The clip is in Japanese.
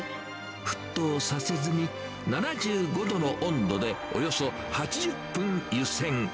沸騰させずに７５度の温度で、およそ８０分湯せん。